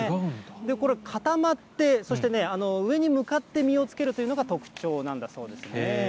これ、固まって、そして上に向かって実をつけるというのが特徴なんだそうですね。